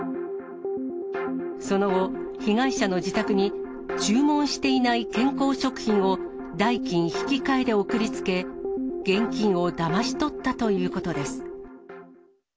その後、被害者の自宅に注文していない健康食品を代金引き換えで送りつけ、現金をだまし取ったということです。